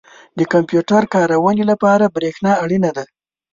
• د کمپیوټر کارونې لپاره برېښنا اړینه ده.